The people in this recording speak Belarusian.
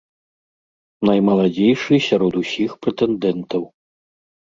Наймаладзейшы сярод усіх прэтэндэнтаў.